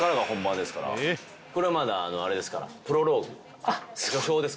これはまだあれですから。